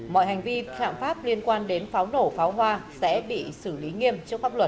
mọi hành vi phạm pháp liên quan đến pháo nổ pháo hoa sẽ bị xử lý nghiêm trước pháp luật